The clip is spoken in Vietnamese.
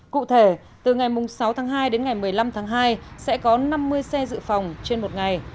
cụ thể từ ngày sáu tháng hai đến ngày một mươi năm tháng hai sẽ có năm mươi xe dự phòng trên một ngày